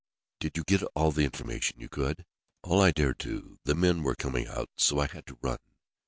Did you get all the information you could?" "All I dared to. The men were coming out, so I had to run.